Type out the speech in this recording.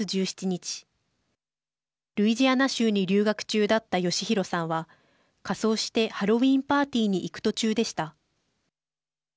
ルイジアナ州に留学中だった剛丈さんは仮装してハロウィーンパーティーに行く途中でした。